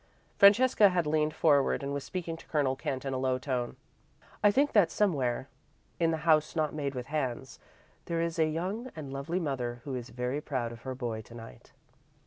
Francesca had leaned forward and was speaking to Colonel Kent in a low tone. "I think that somewhere, in the House not Made with Hands, there is a young and lovely mother who is very proud of her boy to night."